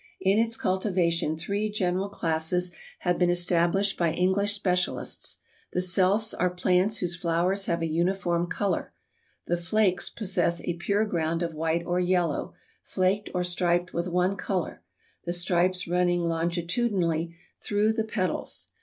In its cultivation three general classes have been established by English specialists. The selfs are plants whose flowers have a uniform color. The flakes possess a pure ground of white or yellow, flaked or striped with one color, the stripes running longitudinally through the petals.